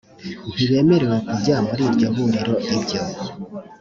ntibemerewe kujya muri iryo huriro ibyo